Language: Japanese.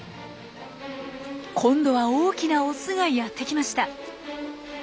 今度は大きなオスがやってきました。